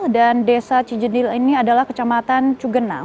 dan desa cijedil ini adalah kecamatan cugenang